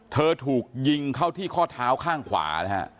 ถูกยิงเข้าที่ข้อเท้าข้างขวานะฮะ